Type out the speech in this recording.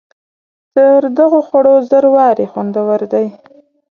تر دغو خوړو زر وارې خوندور دی.